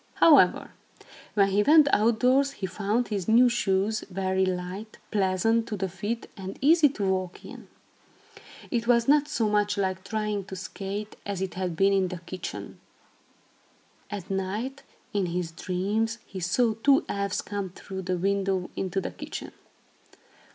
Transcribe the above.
However, when he went outdoors, he found his new shoes very light, pleasant to the feet and easy to walk in. It was not so much like trying to skate, as it had been in the kitchen. At night, in his dreams, he saw two elves come through the window into the kitchen.